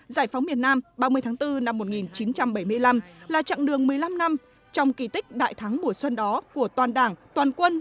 giải phóng miền nam ba mươi tháng bốn năm một nghìn chín trăm bảy mươi năm là chặng đường một mươi năm năm trong kỳ tích đại thắng mùa xuân đó của toàn đảng toàn quân